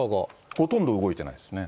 ほとんど動いてないですね。